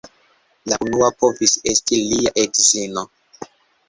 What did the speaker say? La unua povis esti lia edzino.